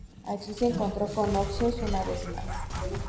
Allí, se encontró con Coxon una vez más.